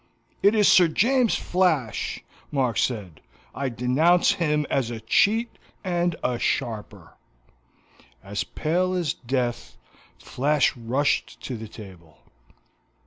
"It is Sir James Flash," Mark said. "I denounce him as a cheat and a sharper." As pale as death, Flash rushed to the table.